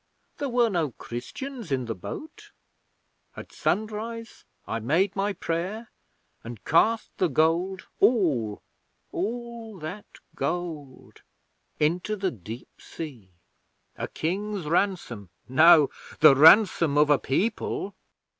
There were no Christians in the boat. At sunrise I made my prayer, and cast the gold all all that gold into the deep sea! A King's ransom no, the ransom of a People!